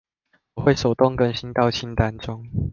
我會手動更新到清單中